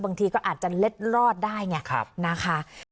บางทีก็อาจจะเล็ดรอดได้ไงนะคะ